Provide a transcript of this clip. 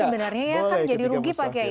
tapi sebenarnya ya jadi rugi pakai